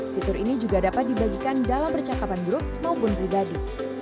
fitur ini juga dapat dibagikan dalam percakapan grup maupun pribadi